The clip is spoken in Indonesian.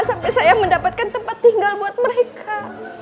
sampai saya mendapatkan tempat tinggal buat mereka